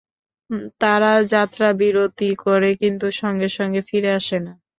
তারা যাত্রাবিরতি করে কিন্তু সঙ্গে সঙ্গে ফিরে আসে না।